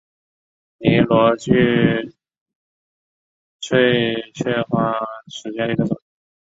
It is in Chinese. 拟螺距翠雀花为毛茛科翠雀属下的一个种。